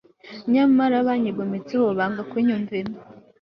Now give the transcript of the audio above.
nyamara banyigometseho banga kunyumvira